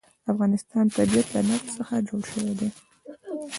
د افغانستان طبیعت له نفت څخه جوړ شوی دی.